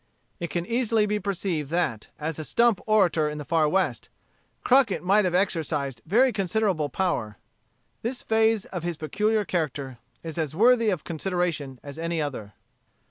It can easily be perceived that, as a stump orator in the far West, Crockett might have exercised very considerable power. This phase of his peculiar character is as worthy of consideration as any other.